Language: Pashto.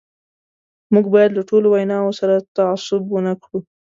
موږ باید له ټولو ویناوو سره تعصب ونه کړو.